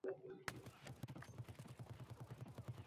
Yaxshiyamki, najot yo’li – ma’naviyat olamidir.